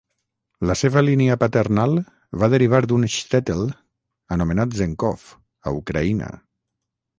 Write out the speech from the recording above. La seva línia paternal va derivar d"un shtetl anomenat Zenkhov, a Ucraïna.